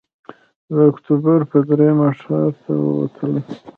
د اکتوبر پر درېیمه ښار ته ووتلم.